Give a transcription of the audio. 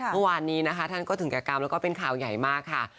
เมื่อวานนี้นะคะท่านก็ถึงแก่กรรมแล้วก็เป็นข่าวใหญ่มากค่ะ